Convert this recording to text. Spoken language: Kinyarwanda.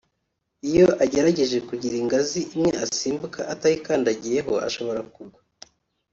iyo agerageje kugira ingazi imwe asimbuka atayikandagiyeho ashobora kugwa